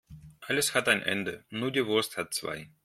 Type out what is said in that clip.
Alles hat ein Ende, nur die Wurst hat zwei.